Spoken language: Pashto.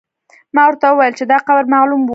ما ورته وویل چې دا قبر معلوم و.